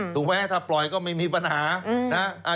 ถูกไหมถ้าปล่อยก็ไม่มีปัญหานะ